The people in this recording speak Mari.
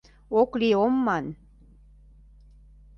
Ок лий ом ман...